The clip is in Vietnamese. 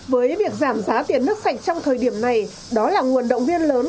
với việc giảm giá tiền nước sạch trong thời điểm này đó là nguồn động viên lớn